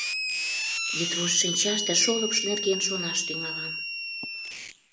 Йӱдвошт шинчаш да шолып нерген шонаш тӱҥалам.